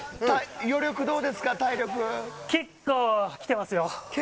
結構きてますよ。